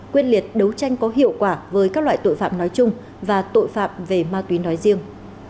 quyết liệt đấu tranh có hiệu quả với các loại tội phạm nói chung và tội phạm về ma túy nói riêng